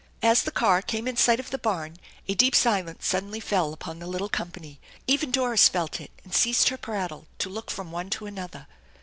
As the car came in sight of the barn a deep silence sud denly fell upon the little company. Even Doris felt it, and ceased her prattle to look from one to another.